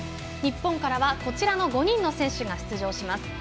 日本からはこちらの５人の選手が出場します。